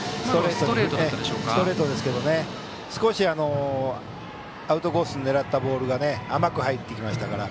ストレートですけど少しアウトコースに狙ったボールが甘く入ってきたので。